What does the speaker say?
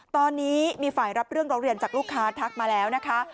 ตอนนี้มีฝ่ายรับเรื่องร้องเรียนจากลูกค้าทักมาแล้วนะคะ